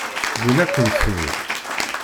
Wwin-akent-ten-id.